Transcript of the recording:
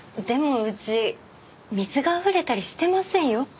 でもうち水があふれたりしてませんよ？